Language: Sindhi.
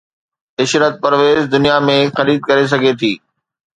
عشرت پرويز دنيا ۾ خريد ڪري سگهي ٿي